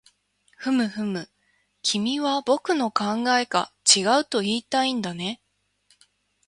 ふむふむ、君は僕の考えが違うといいたいんだね